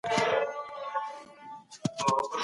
پلار مي وویل چي محنت هیڅکله نه ضایع کيږي.